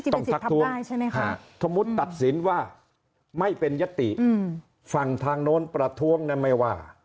ทักท้วงสมมุติตัดสินว่าไม่เป็นยติฝั่งทางโน้นประท้วงนั้นไม่ว่า